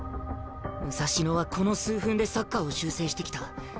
武蔵野はこの数分でサッカーを修正してきた。